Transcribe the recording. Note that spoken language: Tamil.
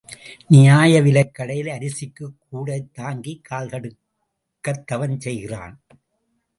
நியாய விலைக் கடையில் அரிசிக்குக் கூடை தாங்கிக் கால்கடுக்கத் தவம் செய்கிறான்.